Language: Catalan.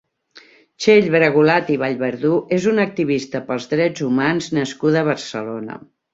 Txell Bragulat i Vallverdú és una activista pels drets humans nascuda a Barcelona.